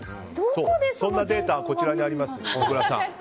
そのデータはこちらにあります小倉さん。